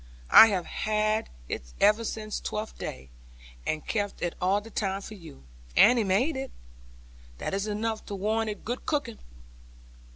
I have had it ever since Twelfth Day, and kept it all the time for you. Annie made it. That is enough to warrant it good cooking.'